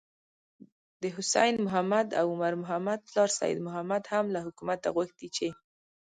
د حسين محمد او عمر محمد پلار سيد محمد هم له حکومته غوښتي چې: